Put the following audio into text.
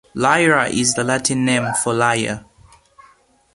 Lyra is the Latin name for Lier.